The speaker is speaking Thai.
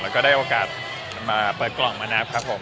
แล้วก็ได้โอกาสมาเปิดกล่องมานับครับผม